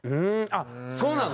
あっそうなの？